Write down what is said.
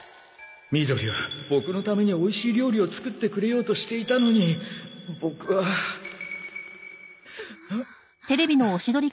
みどりはボクのためにおいしい料理を作ってくれようとしていたのにボクはすまん。